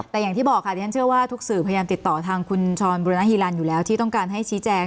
แต่อย่างที่บอกค่ะที่ฉันเชื่อว่าทุกสื่อพยายามติดต่อทางคุณชรบุรณฮิลันอยู่แล้วที่ต้องการให้ชี้แจง